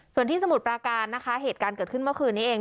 ส่วนที่สมุทรปราการนะคะเหตุการณ์เกิดขึ้นเมื่อคืนนี้เอง